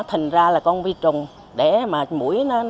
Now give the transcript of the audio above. thành ra là con vi trùng để mũi nó cắn